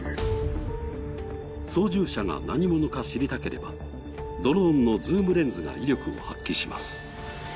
操縦者が何者か知りたければ、ドローンのズームレンズが威力を発揮します。